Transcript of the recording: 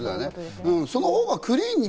そのほうがクリーンに